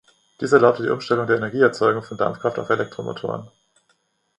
Dies erlaubte die Umstellung der Energieerzeugung von Dampfkraft auf Elektromotoren.